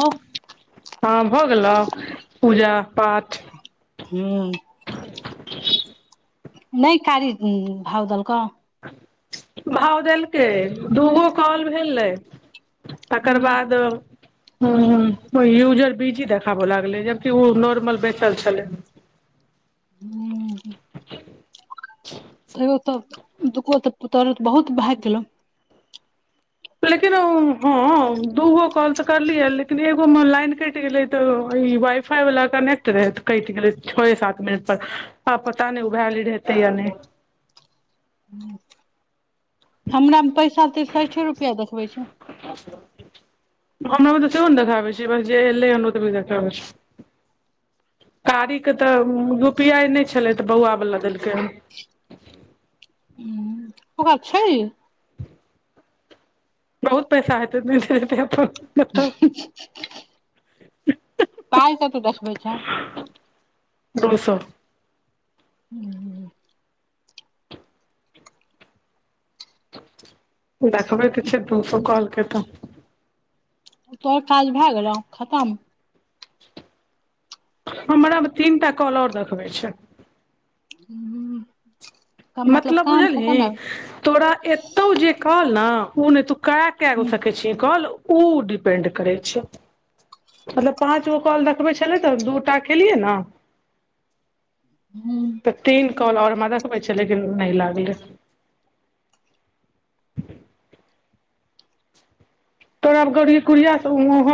अं हाँ भऽ गेलउ पूजा पाठ हूँ हं नय कारी भाव दलक भाव देलकै दूगो काॅल भेलय तकर बाद हम्म यूजर बिजी देखाबऽ लागले जबकि ओ नोर्मल बेसल छलै तैयो तऽ दुगो तऽ पतर बहुत भाइग गेलो लेकिन हँ दूगो कॉल तऽ करलियै लेकिन एगो में लाईन कटि गेलै तऽ ई वाइफाई छे वाला कनेक्ट रहै क गेलै छ सात मिनट पर हँ पता नइ उ भा ली रहेतै य नहि हाँ हमरा में पैसा तीरसइठे रुपया देखबै छै हमरा में तऽ से ने देखाबै छै बस जेल त देखै छै कारीक के तऽ युपीआई नय छलै तऽ बौआवला देलकै हमरा छय बहुत पैसा हेतय अपन बताउ पइ से तू देखबै छ दस हूँ देखब तऽ छै दू स कहलके तऽ तोहर काज भए गेलौ खत्म हमरा में तीन टा कॉल ओर देखबै छै हं मतलब बुझलही तोरा एतौ जे कहल ने ओ नय तू क कऽ गेल? सकै छीय काॅल उ डिपेन्ड करै छय मतलब पाँच गो कॉल देखबै छलै तऽ दूटा केलियै ना हूँ तऽ तीन काॅल और में देखबै छय लेकिन नहि लागलै तोराब गड़ गुड़िया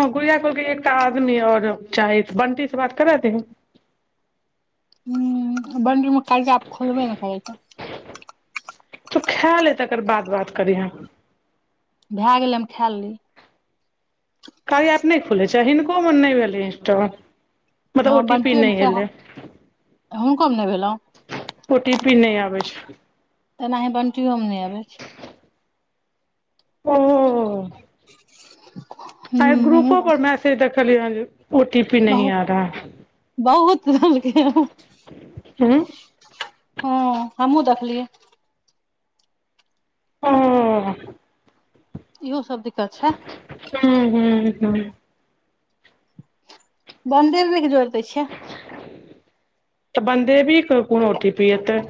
गुड़िया एकटा आदमी ओर चाही बंटी से बात करा देह बनी में काल खोलबे ने खाई तो खैल है तकर बात बात करीहे भ गेलै हम खाय लेलीए कार्या एप नहि खुलै छै हिनको मे नहि भेलै इंस्टोल हँ बंटियोमे सा हुनको भी नहि भेलहुं ओ टी पी नहि आबै छै एनाहि बंटियो मे नहि अबै छै ह [unintelligible] [inaudible] आई हूँ ग्रुपो पर मैसेज देखलियै हन जे ओ टी पी नही बहु आ रहा बहुत देलकै ह हँ हमहुँ देखलियै हू इहो सब दिक्कत छै हूँ हूँ हूँ बन्दील मेके जोड़ि दै छियै तऽ वन देवी के कोन ओ टि पी एतै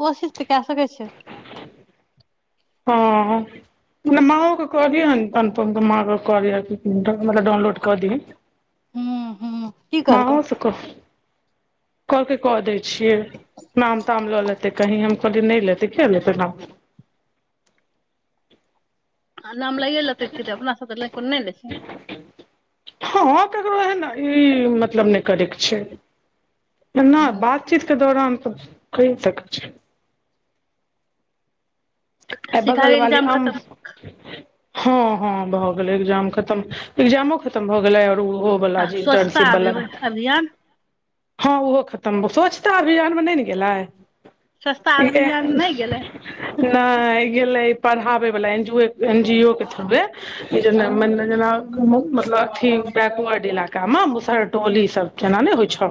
कोशिश तऽ कए सकै छि हा नहि माँ ओऽ कोदियन अनूपम तऽ माँ डाउनलोड कऽ दिहन हूँ हूँ की हा कहलकौ हासुख [unintelligible] कहल कै क दै छियै नाम ताम लऽ लेतै कही हम कहलियै नहि लेतै किया लेतै नाम आ नाम लइए लेतै तऽ कि हेते अपना सब कोनो नहि लैछी हँ ककरो एहन ई मतलब नहि करयके छै नहि बातचीत के दौरान तऽ कहि सकै छै आ य शिखा के बगलवाली एग्जाम अम खतम हा हा भऽ गेलय एग्जाम खतम एक्जामो खतम भऽ गेलै और ओ आ बोला स्वच्छता इंटर्नसिप बला अभियान हाँ ओहो खतम स्वच्छता अभियान मे नहि ने गेलैए सस्ता आ बिरयानि नहि गेलै नहि गेलै पढ़ाबे वाला एन जी जू एन जी ओ के थूवे ई जेना हूँ मने जेना मतलब अथी बैक वार्ड इलाका मे हूँ भरटोली सब केना ने होइ छौ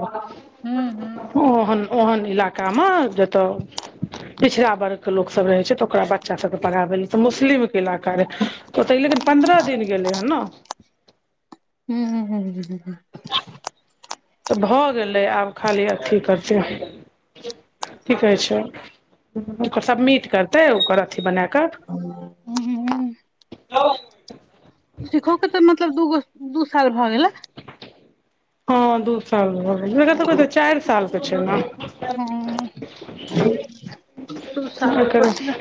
हूँ हूँ हूँ ओहन ओहन इलाकामे जतय पिछड़ा वर्गके लोक सब रहै छै तऽ ओकरा बच्चा सब के पढ़ाबै लेय तऽ मुस्लिम ईलाका रह ओतै लेकिन पन्द्रह दिन गेलै हन न हू हु हू हू हू तऽ भऽ गेलै आब खाली अथी करै छै की कहै छै ओ सब समिट करतै ओकर अथी बना कऽ ह [unintelligible] ह [unintelligible] [unintelligible] शिखो तऽ मतलब दूगो दू साल भऽ गेलाय हँ दू चालू भऽ गेलए एकर सबके चारि साल के छै न हूँ दू साल और बचलै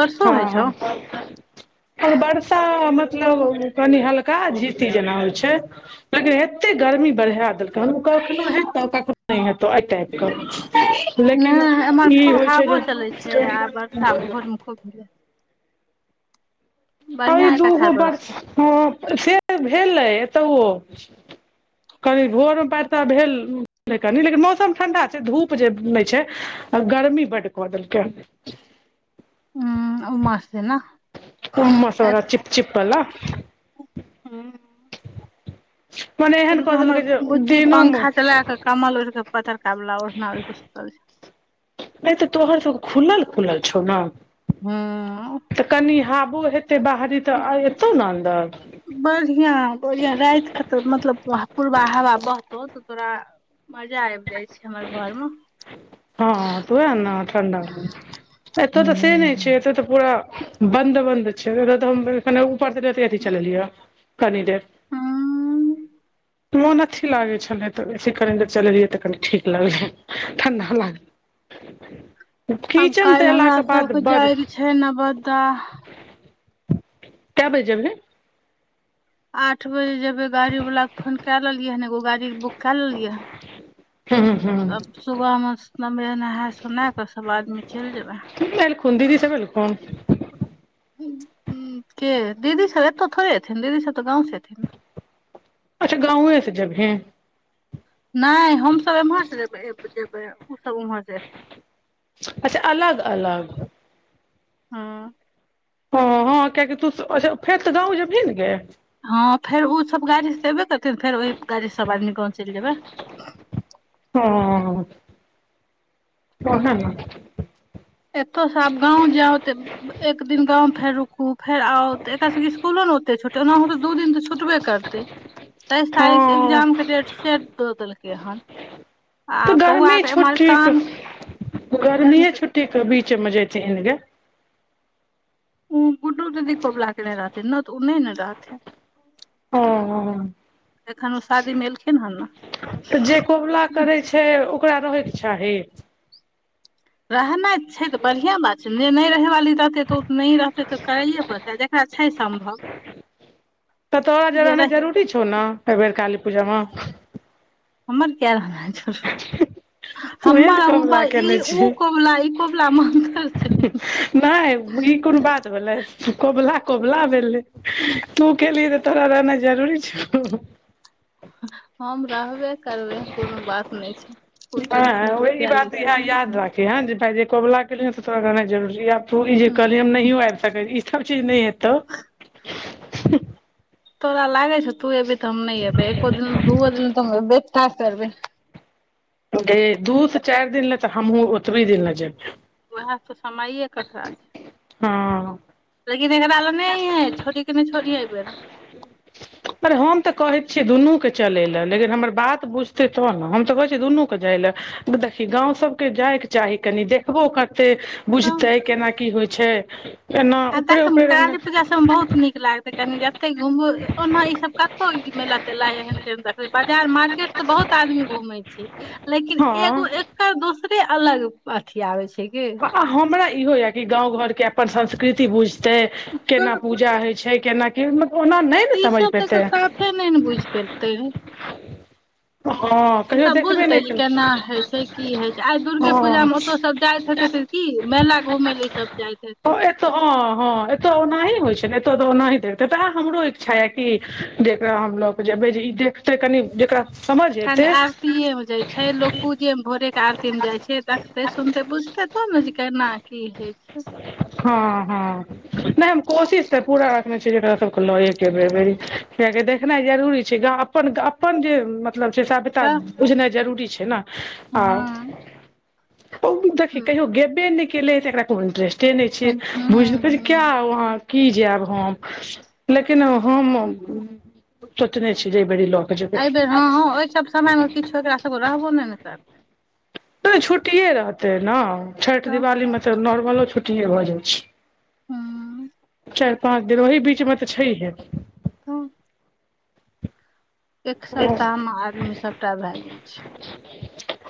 वर्षा होइ छौ और वर्षा मतलब कनि हल्का झीती जेना होई छै लेकिन एते गर्मी बढ़ा देलकै हन ओ कखनो हेतै कखनो नहि हं तो एहि टाईपके लेकिन ई खुब होइ छै हावो जे चलै छय आ बर्षा भोर में खूब भेलए अइ बढ़िया एक दूगो अछाड़ बर्ष बरसलै हऽ से भेलै तऽ ठ कनि भोर में पैर तऽ भेल कनी लेकिन मौसम ठंडा छै धूप जे नहि छय आ गर्मी बड कदैलके हं ओ मासे ने [unintelligible] उम्हर सब बला चिप चिप बला हँ मने एहन एक कऽ हमर देलकै जे बुच्ची दिनो मे पंखा चला के कमल ओढ़ के पतरका वला ओढ़नाुसल छय नहि तऽ तोहर तऽ खुलल खुलल छौ ने हँ तऽ कनि हाबो हेतै बाहरी तऽ एतौ ने अन्दर बढ़िया बढ़िया राइत क तऽ मतलब पूरबा हवा बहतौ तऽ तोरा मजा आइब जाइ छै हमर घरमे हँ तू हं ने ठडा ह एतऽ तऽ से नहि हूँ छै एतऽ तऽ पूरा बन्द बन्द छय हम ऊपर तऽ अथ चलेलियै कनि देर मोन अथी लागे छले तऽ बेसी करेडर चले रहि तऽ कनि ठीक लागल ठण्डा लागल आब कीचनसँ काल्हि हमरा अयलाके बाद सबके बड़ जाइके छै नवद्दा कय बाजेने आठ बजे जेबै गाड़ीवलाके फोन कए लेलियै हन एगो गाड़ी बुक कए लेलियै हन हँ हँ तब सुबह में सम नहा सोना कऽ सभ आदमी चलि जेबै समएलखुन दीदी सब एलखुन तन के दीदी सब एतौ थोड़े हेथिन दीदी सब तऽ गाँव से एथिन अच्छा गाँंवए से जब हैं नय हम सब एम्हर से जेब जेबे ओ सब उम्हर अच्छा अलग अलग हँ हं हँ कियकि तू फेर तऽ गाँव जे बहिन नेगे हँ फेर ओ सब गाड़ी से एबे करथिन फेर ओहि गाड़ी से सब आदमी गाँव चइल जेयबै हँ कहे ना एतो सब गाँव जाउ तऽ एक दिन गाउँ मे फेर रुकू फेर आउ ते एकरा सबी स्कुलो ने औते छोटे ओनाह ते दू दिन तऽ छुटबे करते तेइस तारीख से हँ एकग्जाम के डेट सेदऽ देलकै हन आ तऽ बौआके एमरकान गर्मी ह छुट्टीे बीचेमे जेती ह ग ओ बुड्डू तऽदोवला के नय रहतै नहि तऽ ओ नहि ने रहथि हँ एखन ओ शादी में एलखिन हन ने तऽ जे कबुला करै छय ओकरा रहैके चाही रहनाइ छै ते बढ़ियां बात छय ने नहि रहे वाली रहते तो नहि रहते ते करैेया पड़ते त देखा छय सम्भव तऽ तोरा जे रहनाइ जरुरी छौ ने एहि बेर काली पूजामे। हमर किया रहना है जरूर उहे ने हमर कबुला हुनकर ई केने छियै ओ कबुला ई कबुला मे अन्तर छै। नहि ई कोनो बात भेलै, कबुला कबुला भेलै। तू केलि तऽ तोरा रहना जरूरी छै। हम रहबे करबै एहन कोनो बात नहि छै। ओ टेंशन तू आइ अहि किया लै बात छी इह याद राखे हैं, जे भाय कोबला केलि तऽ तोरा रहनाइ जरुरी। तू ई जे कहलि हम नहियो आबि सकै ई सभ चीज नहि हेतौ। तोरा लागै छै, तू एखन तऽ हम ने आबै? एक-दू दिन तऽ बेथा करबै। गे दू चारि दिन लै तऽ हमहुँ ओतब दिन लै जेब उएह त समय ककरा छै। हँ लेकिन एकरा आलो नहि है, छोटी कऽ नहि छोटी है। अरे हम तऽ कहै छियै दुनू के चलय लए लेकिन हमर बात बुझतै तह ने हम तऽ कहै छियै दुनूके जाइ लए। देखी गाव सभके जायके चाही कनि देखबो करते। बुझतै केना कि होइ छै, केना। आ खमकी पूजा सभ मे बहुत निक लागते कनि जते घुमबू ओना ई सभ कतौ मेला तेला एहेन। बाजार मार्केट तऽ बहुत आदमी घूमे छी लेकिन हँ एगो एकर दोसरे अलग अथि आबे छै गे। आ हमरा इहो यऽ कि गाव घरके अपन संस्कृति बुझते। केना पूजा होइ छै, केना की मतल ओना नहि ने समझ पेतै। नेन बुझ परतै। हँ कहियो ईसभ देखबे बुझतै नहि जे केलकै केना हइ छै, कि होइ छै, आइ दुर्गे पूजा हँ मे ओतय सभ जाइत हेतै तऽ। कि मेला घुम लए ई सभ जाइत हेतै। तऽ हँ, हँ एतऽ ओनाही होइ छै, ने एतो त ओनाही देते तेह हमरो इच्छा या कि जेकरा हमलोग। बैई देखतै कनि जेकरा। समझ कनि एतै आब। आरती मे जाय छै, लग पूजेमे भोरेके आरती मे जाय छै, देखते सुनते बुझते तोब ने जे केना। कि होइ छै। हँ, हँ। नहि हम कोशिश तऽ पूरा रखने छी, जरा सभके लए के कियकि देखनाइ जरूरी छै। हुनका अपन जे। मतलब सभ्यता तऽ बुझनाइ जरूरी छै न, आ हँ ओते कै हँ गबे ने लेत ककरा कोन। के नहि छियै बुझलै क्या हँ है वहाँं। कि जायब हम लेकिन हम सोचने छी जे एहिबरी लऽ। के जेबै एहि बेर हँ, हँ ओहि सभ समय मे किछो एकरा सभके रहबो नहि ने कर। त छुट्टिए रहतै ने छठि तऽ दिवाली मे तऽ नॉर्मलो छुट्टिए भऽ जाइ छै। हँ। चारि पाँच दिन ओहि बीचमे तऽ छै हे तऽ। एक सप्ताह मे आदमी सभटा भए जाय छै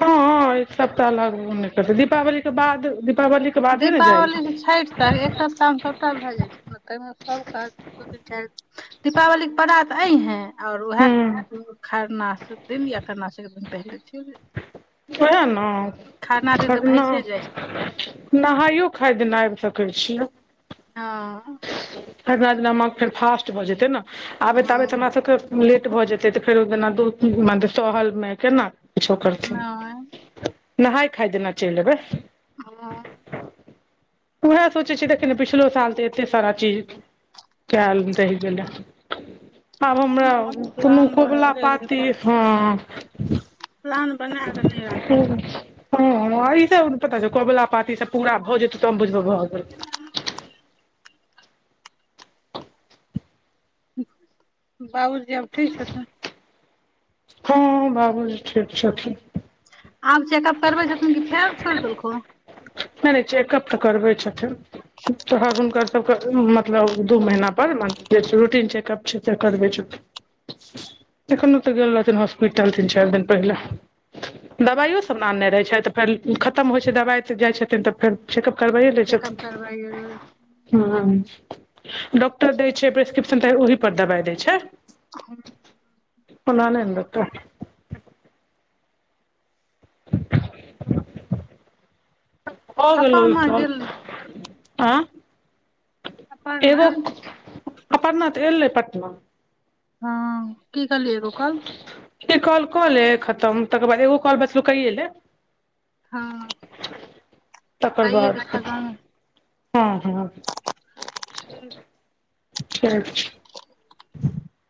हँ, एक सप्ताह लगू नहि करतै दीपावली के बाद दीपावली। दीपावलीसँ छठि तक एक सप्ताहमे सभटा भए जाइ छै, ने ताहिमे सभ काज। दू तीन चारि दिन दीपावली के परा तऽ अय हैं आओर उएह हँ खरना क दिन या खरना स एकदिन पहिले चल जाइत स ने खरना भैसे जाइ छै [inaudible] नहाइयो खाए दिन आब सकै छियै हँ खरना दिना हमरा यर क फेर फास्ट भऽ जेतै ने आबैत आबैत हँ हमरा सबके लेट भऽ जेतै तऽ फेरो जेना दू म सहलमे केना किछो करथिन नहि [inaudible] नहााय खाय देना चलि एबै ह उह सोचै छै देखे ने पछिलो साल त एते सारा चीज कैल रहिगेल [inaudible] आब हमरा कोनो प्लान कबुला बनले रहे पाती पर हँ प्लान बना कऽ नहि राखे हँ ई सब पता छै कबुला पाती सब पूरा भऽ जेतौ त बुझब भऽ गेल [inaudible] बाबु जी अब ठीक छथिन हँ बाबूजी ठीक छथिन आब चेकअप करबै छथिन क फेर छोड़ि देलकौ नहि नहि चेकअप तऽ करबे छथिन तोहर हुनकर सबके मतलब दू महीना पर रूटीन चेकप छै त करबै छथिन अखनौ गेल रहथिन हॉस्पिटल तीन चार दिन पहिले दबाइयो सब ने आनने रहै छै तऽ फेर खतम होइ छै दबाइ तऽ जाइ छै तब फेर चेकअप करबै लै चेकअप छथिन करबै गेल [inaudible] ह डॉक्टर दै छै प्रेस्क्रिप्शन तऽ ओहि पर दबाइ दै छै [unintelligible] ओना नहि ने दैतौ अपर्णा गेल [unintelligible] आँ [inaudible] अपर्णा एगो [inaudible] करतना त एले पटना हँ की कलहि एगो कॉल इ कॉल कऽ ले खतम तकर बाद एगो कॉल बचलो कहिए ले हँ [inaudible] तकर काईए के बाद खतम [unintelligible]